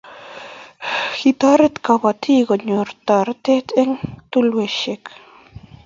Ketoret kapatik kunyor toretet eng' tulweshek